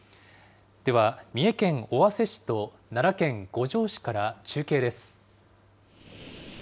では、三重県尾鷲市と奈良県五條市から中継です。